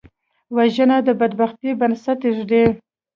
وژنه د بدبختۍ بنسټ ږدي